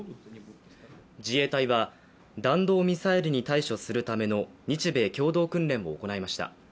自衛隊は弾道ミサイルに対処するための日米共同訓練を行いました。